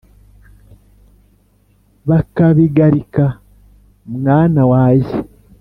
bakabigarika, mwana wajye